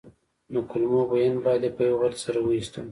د کولمو بوین باد یې په یوه غرت سره وايستلو.